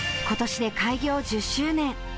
ことしで開業１０周年。